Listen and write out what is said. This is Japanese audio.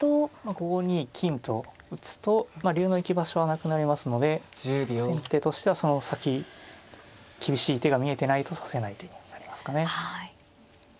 ５二金と打つと竜の行き場所がなくなりますので先手としてはその先厳しい手が見えてないと指せない手にはなりますかね。